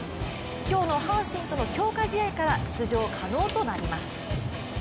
今日の阪神との強化試合から出場可能となります。